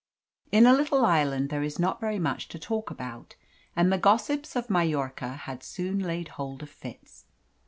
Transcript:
In a little island there is not very much to talk about, and the gossips of Majorca had soon laid hold of Fitz.